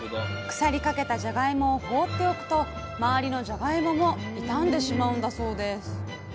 腐りかけたじゃがいもを放っておくと周りのじゃがいもも傷んでしまうんだそうです